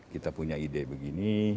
kita punya ide begini